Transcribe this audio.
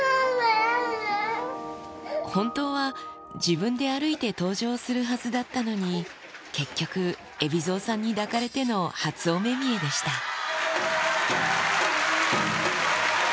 本当は自分で歩いて登場するはずだったのに、結局、海老蔵さんに抱かれての初お目見えでした。